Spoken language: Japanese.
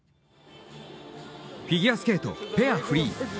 フィギュアスケートペアフリー。